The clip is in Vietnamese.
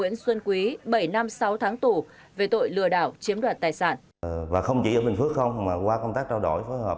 một mươi ba năm bắt đầu tài khoản facebook